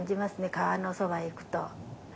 川のそばへ行くと。